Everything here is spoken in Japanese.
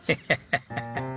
ハハハハハ。